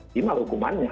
timah loh hukumannya